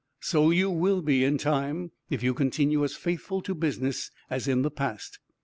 "So you will be in time, if you continue as faithful to business as in the past."